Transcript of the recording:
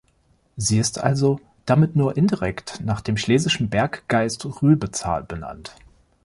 Sie ist also damit nur indirekt nach dem schlesischen Berggeist Rübezahl benannt.